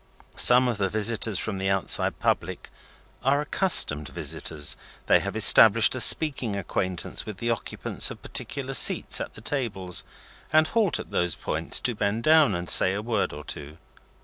Some of the visitors from the outside public are accustomed visitors. They have established a speaking acquaintance with the occupants of particular seats at the tables, and halt at those points to bend down and say a word or two.